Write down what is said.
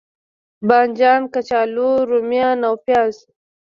بانجان، کچالو، روميان او پیاز